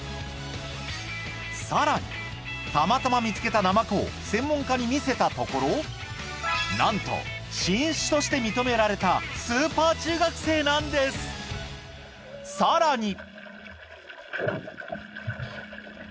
さらにたまたま見つけたナマコを専門家に見せたところなんと新種として認められたスーパー中学生なんですさらに！